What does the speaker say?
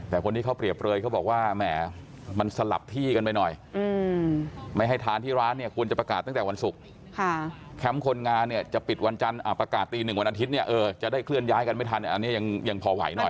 แต่คนที่เขาเปรียบเลยเขาบอกว่าแหมมันสลับที่กันไปหน่อยไม่ให้ทานที่ร้านเนี่ยควรจะประกาศตั้งแต่วันศุกร์แคมป์คนงานเนี่ยจะปิดวันจันทร์ประกาศตีหนึ่งวันอาทิตย์เนี่ยเออจะได้เคลื่อนย้ายกันไม่ทันอันนี้ยังพอไหวหน่อย